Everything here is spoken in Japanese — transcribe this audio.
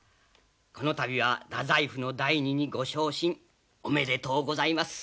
この度は大宰府の大弐にご昇進おめでとうございます。